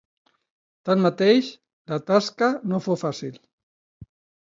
Tanmateix, la tasca no fou fàcil.